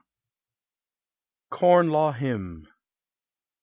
CORN LAW HYMN.